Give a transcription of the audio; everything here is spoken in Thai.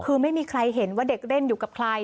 คือไม่มีใครเห็นว่าเด็กเล่นอยู่กับใคร